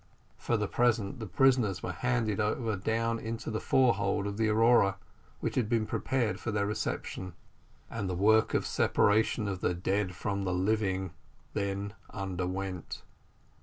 For the present the prisoners were handed over down into the forehold of the Aurora, which had been prepared for their reception, and the work of separation of the dead from the living then underwent.